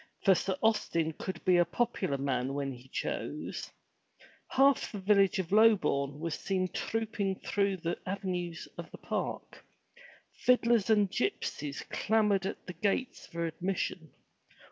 For Sir Austin could be a popular man when he chose. Half the village of Lobourne was seen trooping through the avenues of the park. Fiddlers and gypsies clamored at the gates for admission.